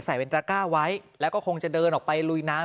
ใส่เป็นตระก้าไว้แล้วก็คงจะเดินออกไปลุยน้ำ